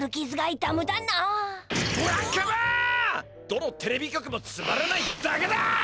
どのテレビ局もつまらないだけだ！